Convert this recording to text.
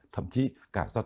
thậm chí cả do tim